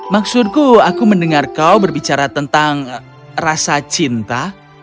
maksudku aku mendengar kau berbicara tentang rasa cinta